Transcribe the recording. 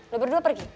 lo berdua pergi